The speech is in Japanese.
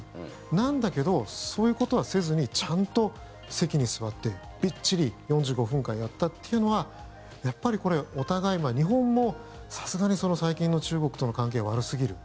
なんだけどそういうことはせずにちゃんと席に座ってきっちり４５分間やったというのはやっぱりこれ、お互い日本もさすがに最近の中国との関係悪すぎる。